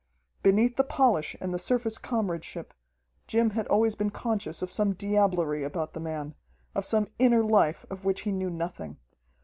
Beneath the polish and the surface comradeship, Jim had always been conscious of some diablerie about the man, of some inner life of which he knew nothing.